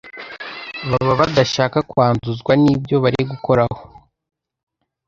baba badashaka kwanduzwa n'ibyo bari gukoraho